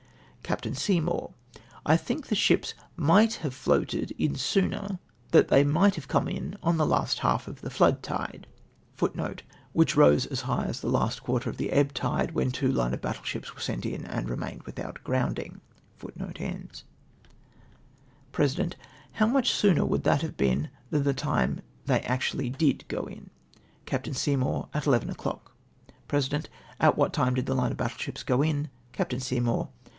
Capt. Seymour. — "I think the ships migld have floated in sooner ; that they might have come in on the last half of the flood tide." Which rose as high as tlie last quarter of the ebb tide, when two line of battle ships were sent in and remained without grounding. 52 CONCLUSIVE AS TO NEGLECT. President. — "How much sooner would that have been than the time they actually did go in ?" Capt. tSEYMOUR. — "At eleven o'clock." President. — "What time did the line of battle ships go in?" Capt. Seymour.